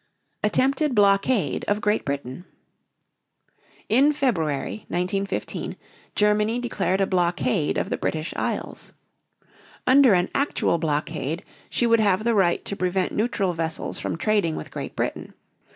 ATTEMPTED BLOCKADE OF GREAT BRITAIN. In February, 1915, Germany declared a blockade of the British Isles. Under an actual blockade she would have the right to prevent neutral vessels from trading with Great Britain.